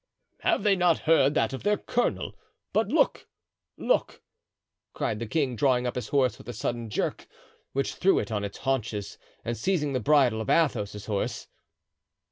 "Have they not heard that of their colonel? But look! look!" cried the king, drawing up his horse with a sudden jerk, which threw it on its haunches, and seizing the bridle of Athos's horse.